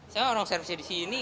saya orang servicenya disini